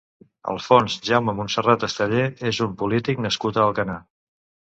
Alfons Jaume Montserrat Esteller és un polític nascut a Alcanar.